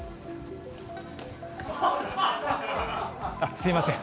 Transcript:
すみません。